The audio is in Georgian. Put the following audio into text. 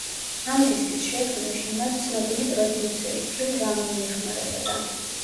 ამ დისკის შექმნაში მას ცნობილი პროდიუსერი, ფილ რამონი ეხმარებოდა.